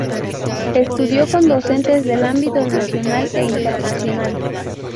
Estudió con docentes del ámbito nacional e internacional.